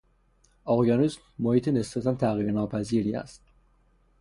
اقیانوس محیط نسبتا تغییر ناپذیری است.